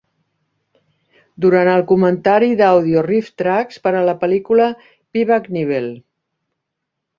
Durant el comentari d'àudio RiffTrax per a la pel·lícula Viva Knievel!